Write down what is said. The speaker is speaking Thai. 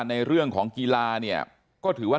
ในเรื่องของกีฬาก็ถือว่า